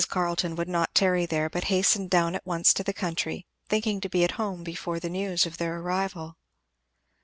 Mrs. Carleton would not tarry there but hastened down at once to the country, thinking to be at home before the news of their arrival.